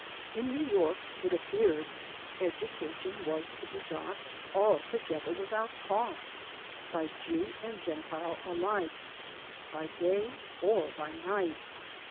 In New York, it appeared, education was to be got altogether without cost, by Jew and Gentile alike, by day or by night.